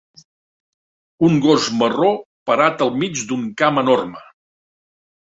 Un gos marró parat al mig d'un camp enorme.